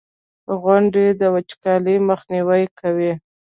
• غونډۍ د وچکالۍ مخنیوی کوي.